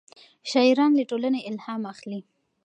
شاعران له ټولنې الهام اخلي.